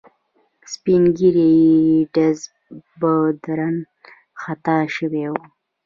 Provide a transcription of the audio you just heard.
سپین ږیری یې ډز به درنه خطا شوی وي.